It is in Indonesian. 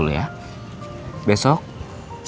untuk memperbaiki kemampuan kita